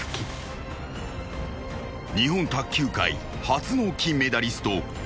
［日本卓球界初の金メダリスト。